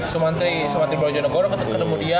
sumantri barujo nagoro ketemu dia